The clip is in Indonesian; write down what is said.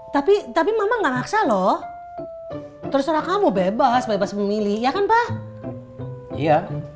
tapi tapi mama nggak ngaksa loh terserah kamu bebas bebas memilih ya kan pak iya